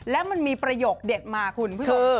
แล้วมันมีประโยคเด็ดมาคุณผู้ชม